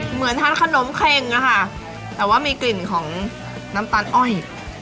เหมือนทานขนมเข็งอะค่ะแต่ว่ามีกลิ่นของน้ำตาลอ้อย